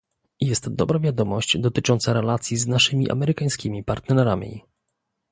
Jest dobra wiadomość dotycząca relacji z naszymi amerykańskimi partnerami